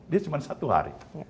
dia cuma satu hari